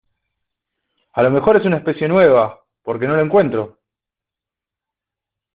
a lo mejor es una especie nueva, porque no la encuentro